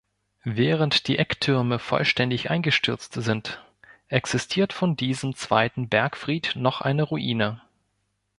Während die Ecktürme vollständig eingestürzt sind, existiert von diesem zweiten Bergfried noch eine Ruine.